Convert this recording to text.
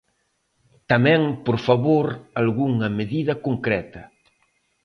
Tamén, por favor, algunha medida concreta.